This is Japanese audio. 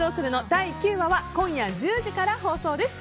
第９話は今夜１０時から放送です。